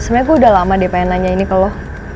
sebenarnya gue udah lama deh pengen nanya ini ke lo